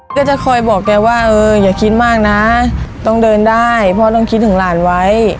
ก็จะคอยบอกแกว่าเอออย่าคิดมากนะต้องเดินได้พ่อต้องคิดถึงหลานไว้